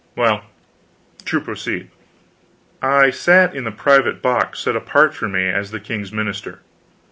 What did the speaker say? Well, to proceed: I sat in the private box set apart for me as the king's minister.